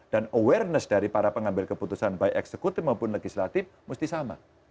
dan awareness dari para pengambil keputusan baik eksekutif maupun legislatif mesti sama